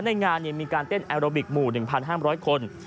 ในงานมีการเต้นแอโรบิกหมู่๑๕๐๐คน